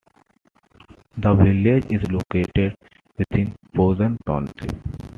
The village is located within Posen Township.